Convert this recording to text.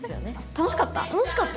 楽しかった。